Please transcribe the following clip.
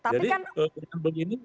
jadi dengan begini